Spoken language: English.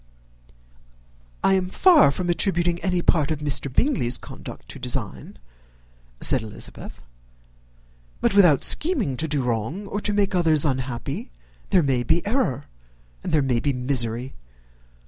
"I am far from attributing any part of Mr. Bingley's conduct to design," said Elizabeth; "but, without scheming to do wrong, or to make others unhappy, there may be error and there may be misery.